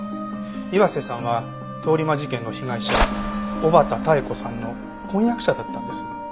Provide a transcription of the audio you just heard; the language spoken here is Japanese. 岩瀬さんは通り魔事件の被害者小畠妙子さんの婚約者だったんです。